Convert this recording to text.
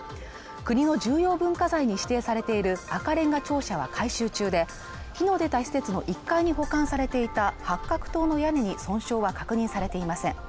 国の重要文化財に指定されている赤れんが庁舎は改修中で火の出た施設の１階に保管されていた八角塔の屋根に損傷は確認されていません